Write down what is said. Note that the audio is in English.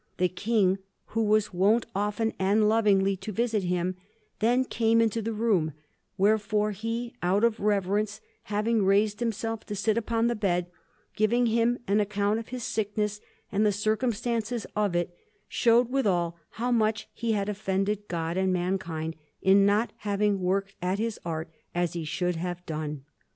The King, who was wont often and lovingly to visit him, then came into the room; wherefore he, out of reverence, having raised himself to sit upon the bed, giving him an account of his sickness and the circumstances of it, showed withal how much he had offended God and mankind in not having worked at his art as he should have done.